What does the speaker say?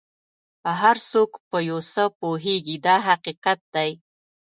هر څوک په یو څه پوهېږي دا حقیقت دی.